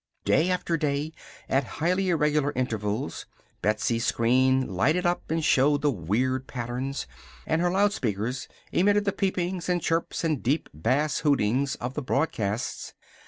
Day after day, at highly irregular intervals, Betsy's screen lighted up and showed the weird patterns, and her loudspeakers emitted the peepings and chirps and deep bass hootings of the broadcasts.